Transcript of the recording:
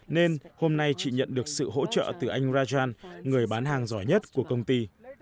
nên hôm nay chị nhận được sự hỗ trợ từ anh rajan người bán hàng giỏi nhất của công ty